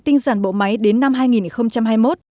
tinh giản bộ máy đến năm hai nghìn hai mươi một